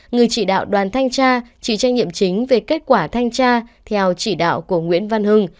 người chỉ đạo đoàn thanh cha chỉ trách nhiệm chính về kết quả thanh cha theo chỉ đạo của nguyễn văn hưng